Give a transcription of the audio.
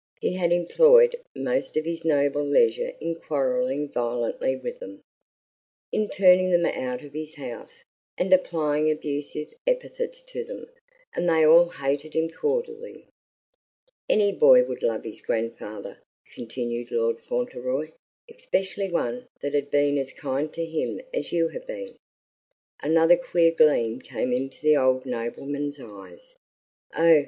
He had employed most of his noble leisure in quarreling violently with them, in turning them out of his house, and applying abusive epithets to them; and they all hated him cordially. "Any boy would love his grandfather," continued Lord Fauntleroy, "especially one that had been as kind to him as you have been." Another queer gleam came into the old nobleman's eyes. "Oh!"